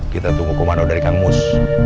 kita tunggu komando dari kang mus